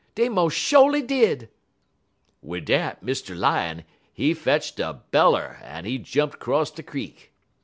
Dey mos' sho'ly did!' "Wid dat Mr. Lion, he fetch'd a beller en he jumped 'cross de creek.